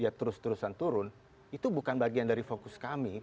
ya terus terusan turun itu bukan bagian dari fokus kami